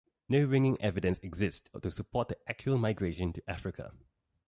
No ringing evidence exists to support the actual migration to Africa.